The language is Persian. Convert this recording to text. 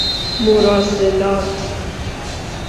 مراسلات